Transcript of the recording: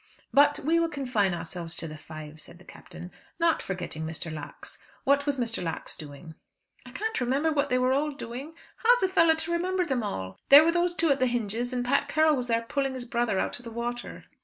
"But we will confine ourselves to the five," said the Captain, "not forgetting Mr. Lax. What was Mr. Lax doing?" "I can't remember what they were all doing. How is a fellow to remember them all? There were those two at the hinges, and Pat Carroll was there pulling his brother out of the water."